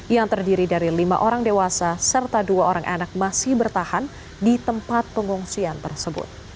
yang terdiri dari lima orang dewasa serta dua orang anak masih bertahan di tempat pengungsian tersebut